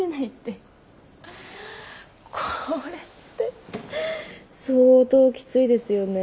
これって相当キツイですよね。